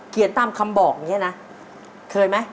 ตามคำบอกอย่างนี้นะเคยไหม